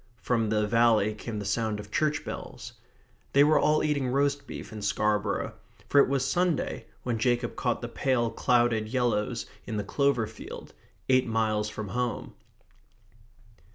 From the valley came the sound of church bells. They were all eating roast beef in Scarborough; for it was Sunday when Jacob caught the pale clouded yellows in the clover field, eight miles from home.